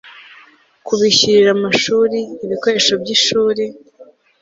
Kubishyurira amashuri ibikoresho by ishuri